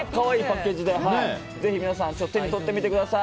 ぜひ皆さん手に取ってみてください。